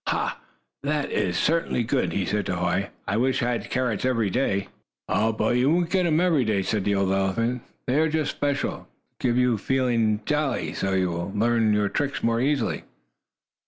"Ha! That is certainly good!" he said to Hoy. "I wish I had carrots every day." "Oh, but you won't get them every day," said the old elephant. "They are just special, to get you to feeling jolly, so you will learn your tricks more easily."